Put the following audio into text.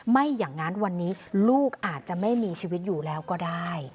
ไม่อย่างนั้นวันนี้ลูกอาจจะไม่มีชีวิตอยู่แล้วก็ได้